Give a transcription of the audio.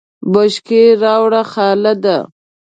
بشکی راوړه خالده !